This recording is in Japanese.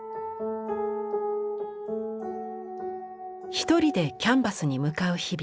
ひとりでキャンバスに向かう日々。